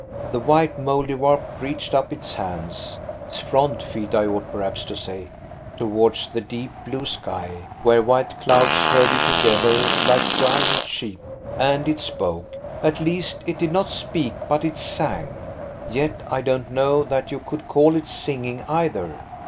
The white Mouldiwarp reached up its hands–its front feet I ought perhaps to say–towards the deep blue sky, where white clouds herded together like giant sheep. And it spoke. At least, it did not speak, but it sang. Yet I don't know that you could call it singing either.